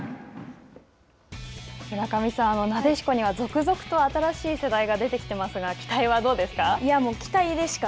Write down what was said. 村上さん、なでしこには続々と新しい世代が出てきてますが期待はどうですか。